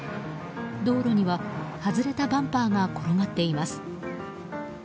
道路には外れたバンパーが転がっています。